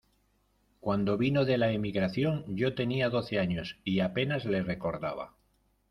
cuando vino de la emigración, yo tenía doce años y apenas le recordaba...